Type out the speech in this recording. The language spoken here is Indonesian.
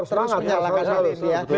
terus menyalakan lili